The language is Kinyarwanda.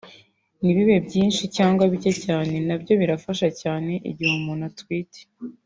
ntibibe byinshi cyangwa bicye cyane nabyo birafasha cyane igihe umuntu atwite